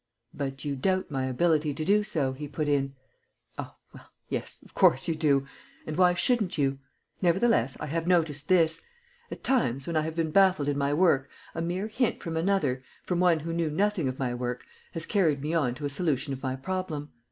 "But you doubt my ability to do so?" he put in. "Oh well yes of course you do; and why shouldn't you? Nevertheless, I have noticed this: At times when I have been baffled in my work a mere hint from another, from one who knew nothing of my work, has carried me on to a solution of my problem.